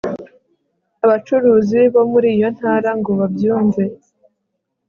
abacuruzi bo muri iyo ntara ngo babyumve